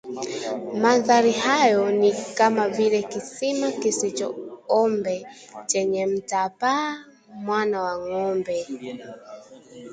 Mandhari hayo ni kama vile kisima kisicho ombe chenye mta-paa mwana wa ng’ombe